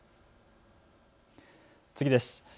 次です。